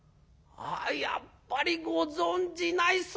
「あやっぱりご存じない。